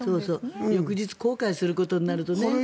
翌日後悔するようになるとね。